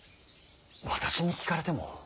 私に聞かれても。